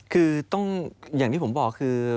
คือต้องอย่างที่ผมบอกคือ